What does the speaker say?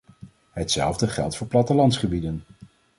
Hetzelfde geldt voor plattelandsgebieden.